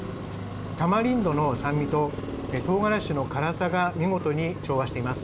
タマリンドの酸味ととうがらしの辛さが見事に調和しています。